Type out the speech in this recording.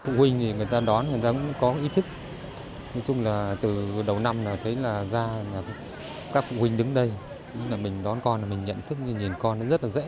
các bậc phụ huynh có ý thức nói chung là từ đầu năm ra các phụ huynh đứng đây mình đón con mình nhận thức nhìn con rất là dễ